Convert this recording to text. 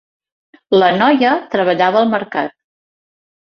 La noia treballava al mercat.